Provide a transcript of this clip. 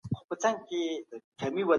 نوي نسل د خپلو پلرونو تېروتني درک کړې دي.